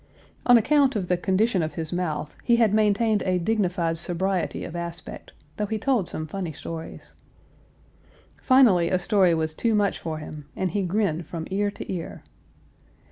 On account of the condition of his mouth, he had maintained a dignified sobriety of aspect, though he told some funny stories. Finally a story was too much for him, and he grinned from ear to ear.